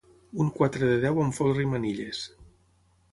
Un quatre de deu amb folre i manilles.